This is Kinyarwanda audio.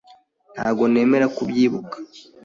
Ntabwo nemera ko ubyibuka.